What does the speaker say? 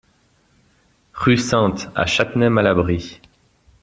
Rue Sintes à Châtenay-Malabry